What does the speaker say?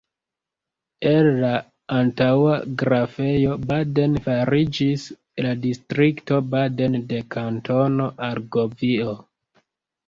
El la antaŭa Grafejo Baden fariĝis la distrikto Baden de Kantono Argovio.